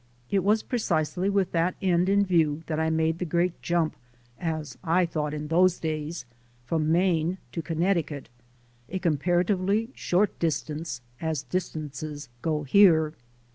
It was precisely with that end in view that I made the great jump, as I thought in those days, from Maine to Connecticut, a compara tively short distance, as distances go here.